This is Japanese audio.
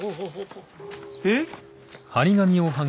えっ？